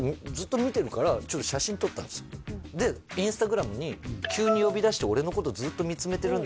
そうですで僕のことでＩｎｓｔａｇｒａｍに「急に呼び出して俺のことずっと見つめてるんだけど」